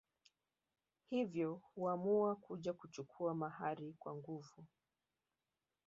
Hivyo huamua kuja kuchukua mahari kwa nguvu